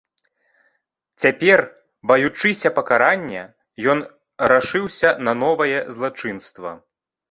Цяпер, баючыся пакарання, ён рашыўся на новае злачынства.